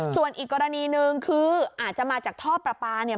ส่วนอีกกรณีหนึ่งคืออาจจะมาจากท่อประปาเนี่ย